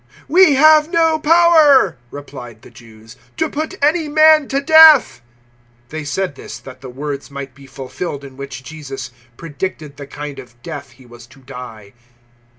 "We have no power," replied the Jews, "to put any man to death." 018:032 They said this that the words might be fulfilled in which Jesus predicted the kind of death He was to die.